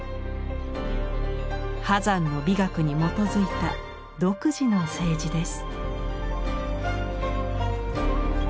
波山の美学に基づいた独自の青磁です。